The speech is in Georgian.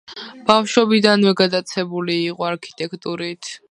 ბავშვობიდანვე გატაცებული იყო არქიტექტურით.